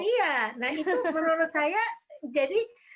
iya nah itu menurut saya jadi